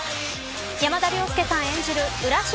山田涼介さん演じる浦島